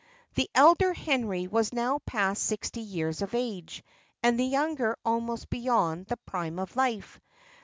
The elder Henry was now past sixty years of age, and the younger almost beyond the prime of life.